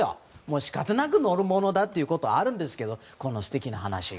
仕方なく乗るものということがあるんですが、素敵な話が。